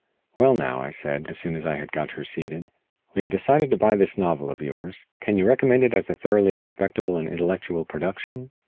"Well now," I said, as soon as I had got her seated, "we have decided to buy this novel of yours. Can you recommend it as a thoroughly respectable and intellectual production?"